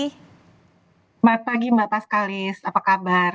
selamat pagi mbak paskalis apa kabar